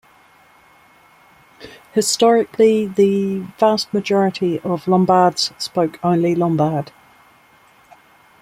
Historically, the vast majority of Lombards spoke only Lombard.